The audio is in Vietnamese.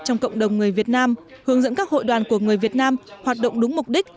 trong cộng đồng người việt nam hướng dẫn các hội đoàn của người việt nam hoạt động đúng mục đích